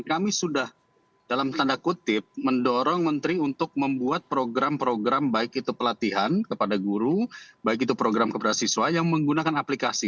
dan kami sudah dalam tanda kutip mendorong menteri untuk membuat program program baik itu pelatihan kepada guru baik itu program kepada siswa yang menggunakan aplikasi